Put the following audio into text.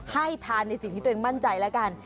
ให้ทานในสิ่งที่ตัวเองมั่นใจแล้วกัน